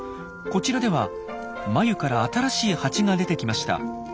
こちらでは繭から新しいハチが出てきました。